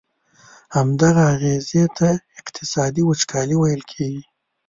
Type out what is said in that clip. همدغه اغیزي ته اقتصادي وچکالي ویل کیږي.